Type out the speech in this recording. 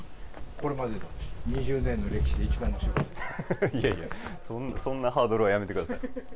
これまでの２０年の歴史で一番いやいやそんなハードルはやめてください